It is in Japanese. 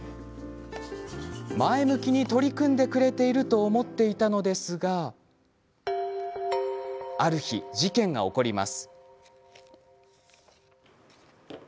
前向きに取り組んでくれていると思っていたのですがある日、事件が起こります。